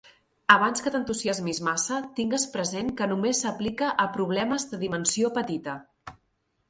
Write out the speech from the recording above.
Abans que t'entusiasmis massa, tingues present que només s'aplica a problemes de dimensió petita.